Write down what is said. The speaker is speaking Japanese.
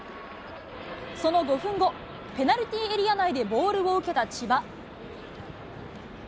その５分後、ペナルティーエリア内でボールを受けた千葉。